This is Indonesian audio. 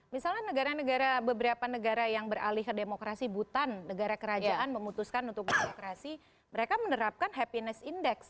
misalnya negara negara beberapa negara yang beralih ke demokrasi butan negara kerajaan memutuskan untuk berdemokrasi mereka menerapkan happiness index